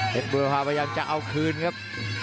เป็นเบอร์พาพยายามจะเอาคืนครับ